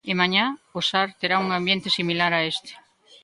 E mañá o Sar terá un ambiente similar a este.